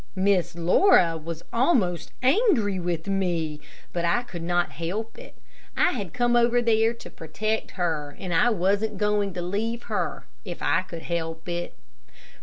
Miss Laura was almost angry with me, but I could not help it. I had come over there to protect her, and I wasn't going to leave her, if I could help it.